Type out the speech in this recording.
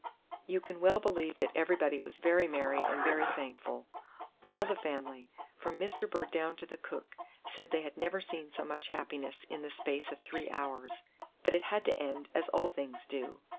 You can well believe that everybody was very merry and very thankful. All the family, from Mr. Bird down to the cook, said they had never seen so much happiness in the space of three hours; but it had to end, as all things do.